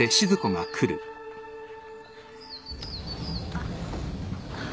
あっ。